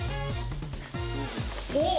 おっ！